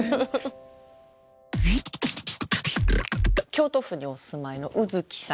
京都府にお住まいの卯月さん。